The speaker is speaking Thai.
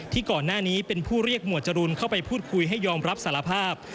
ก่อนหน้านี้เป็นผู้เรียกหมวดจรูนเข้าไปพูดคุยให้ยอมรับสารภาพ